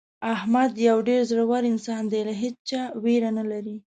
احمد یو ډېر زړور انسان دی له هېچا ویره نه لري.